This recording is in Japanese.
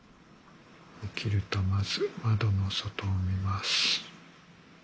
起きるとまず窓の外を見ます。